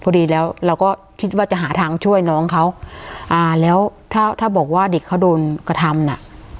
พอดีแล้วเราก็คิดว่าจะหาทางช่วยน้องเขาอ่าแล้วถ้าถ้าบอกว่าเด็กเขาโดนกระทำน่ะ